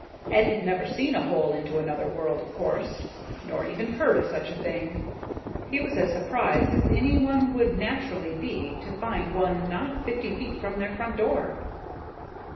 Ed had never seen a hole into another world, of course, nor even heard of such a thing. He was as surprised as any one would naturally be to find one not fifty feet from their front door.